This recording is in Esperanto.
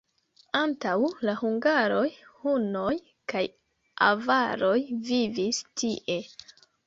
Antaŭ la hungaroj hunoj kaj avaroj vivis tie.